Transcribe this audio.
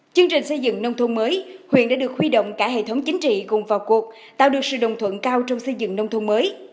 chương trình xây dựng nông thôn mới huyện đã được huy động cả hệ thống chính trị cùng vào cuộc tạo được sự đồng thuận cao trong xây dựng nông thôn mới